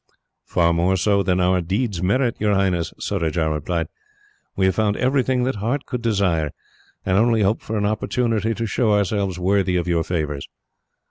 "Far more so than our deeds merit, your Highness," Surajah replied. "We have found everything that heart could desire, and only hope for an opportunity to show ourselves worthy of your favours."